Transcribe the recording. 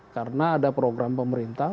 karena ada program pemerintah